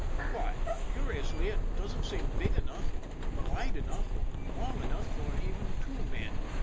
" Why, curiously, it doesn't seem big enough or wide enough or long enough for even two men."